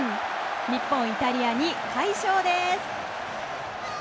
日本、イタリアに快勝です。